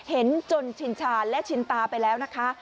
เห็นจนชินชาญและชินตาไปแล้วนะคะ